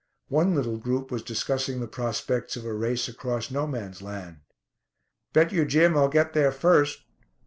One little group was discussing the prospects of a race across "No Man's Land." "Bet you, Jim, I'll get there first."